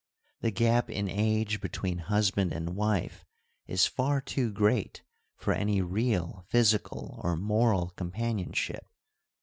The gap in age between husband and wife is far too great for any real physical or moral companionship.